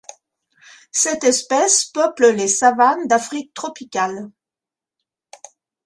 Cette espèce peuple les savanes d'Afrique tropicale.